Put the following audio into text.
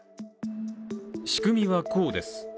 仕組みはこうです。